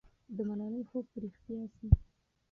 د ملالۍ خوب به رښتیا سي.